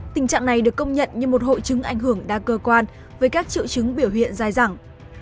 tình trạng này được công nhận như một hội chứng ảnh hưởng đa cơ quan với các triệu chứng biểu hiện dai dẳng